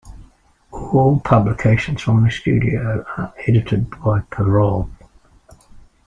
All publications from the studio are edited by Perov.